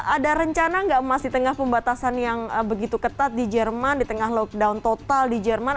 ada rencana nggak mas di tengah pembatasan yang begitu ketat di jerman di tengah lockdown total di jerman